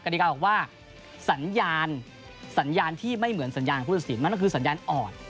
ดีกาบอกว่าสัญญาณที่ไม่เหมือนสัญญาณผู้ตัดสินมันก็คือสัญญาณอ่อน